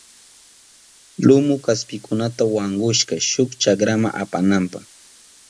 Lumu kaspikunata wankushka shuk chakrama apananpa.